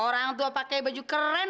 orang tua pakai baju keren